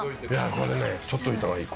これね撮っといた方がいい